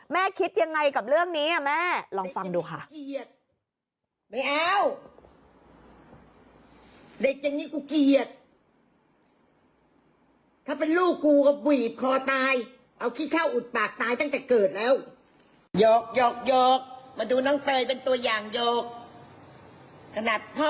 คิดยังไงกับเรื่องนี้แม่ลองฟังดูค่ะ